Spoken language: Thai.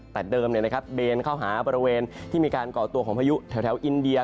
แต่เดิมเบนเข้าหาบริเวณที่มีการก่อตัวของพายุแถวอินเดีย